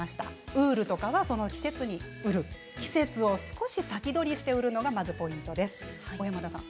ウールとかはその季節に売る季節を少し先取りして売るのがまずポイントです。